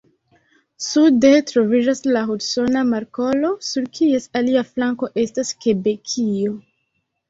Sude troviĝas la Hudsona Markolo, sur kies alia flanko estas Kebekio.